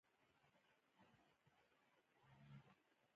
د نړۍ نورو هېوادونو نورې لارې تعقیب کړې.